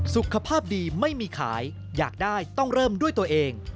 สุขภาพดีไม่มีขายอยากได้ต้องเริ่มด้วยตัวเอง